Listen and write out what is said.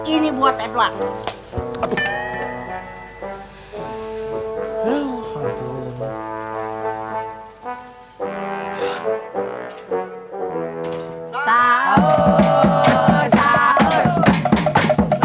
ini buat edward